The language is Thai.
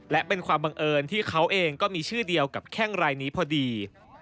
และเป็นความบังเอิญที่เขาเองก็มีชื่อเดียวกับแข้งรายนี้พอดี